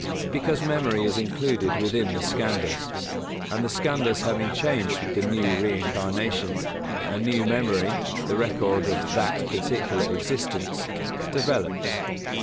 Because memory is included within the Skandhas; and the Skandhas having changed with the new reincarnation, a new memory, the record of of that particular existence, develops.